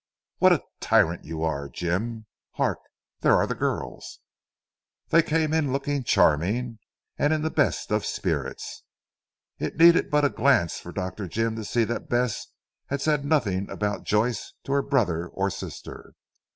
"What a tyrant you are Jim. Hark, there are the girls." They came in looking charming, and in the best of spirits. It needed but a glance for Dr. Jim to see that Bess had said nothing about Joyce to her brother or sister.